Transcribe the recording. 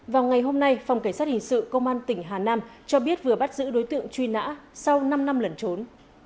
vào ngày hôm nay phòng cảnh sát hình sự công an tỉnh hà nam cho biết vừa bắt giữ đối tượng truy nã sau năm năm lẩn trốn